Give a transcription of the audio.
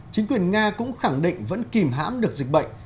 chính quyền nga cũng khẳng định vẫn kìm hãm được dịch bệnh